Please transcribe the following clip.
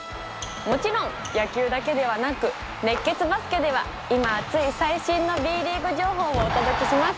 もちろん野球だけではなく「熱血バスケ」では今熱い最新のＢ．ＬＥＡＧＵＥ情報をお届けします。